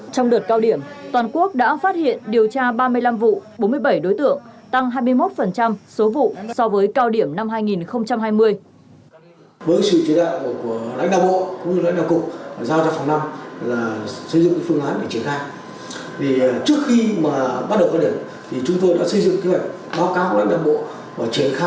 trong đợt cao điểm toàn quốc đã phát hiện điều tra ba mươi năm vụ bốn mươi bảy đối tượng tăng hai mươi một số vụ so với cao điểm năm hai nghìn hai mươi